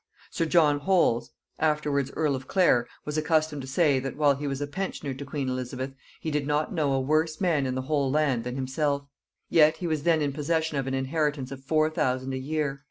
Sir John Holles, afterwards earl of Clare, was accustomed to say, that while he was a pensioner to queen Elizabeth, he did not know a worse man in the whole band than himself; yet he was then in possession of an inheritance of four thousand a year.